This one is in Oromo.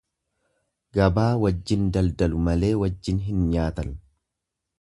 Gabaa wajjin daldalu malee wajjin hin nyaatan.